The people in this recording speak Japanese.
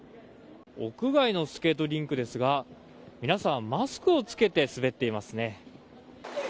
屋外のスケートリンクですが皆さん、マスクをつけて滑っていますね。